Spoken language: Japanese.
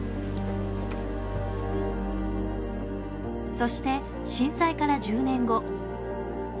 そして震災から１０年後。